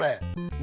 何？